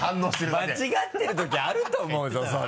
間違ってる時あると思うぞそれ。